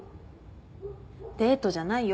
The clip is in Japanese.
デートじゃないよ。